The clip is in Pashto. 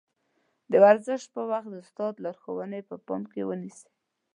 د ورزش پر وخت د استاد لارښوونې په پام کې ونيسئ.